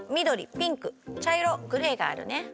ピンクちゃいろグレーがあるね。